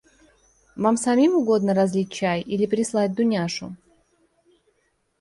Вам самим угодно разлить чай или прислать Дуняшу?